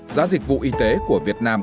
giá dịch vụ y tế của việt nam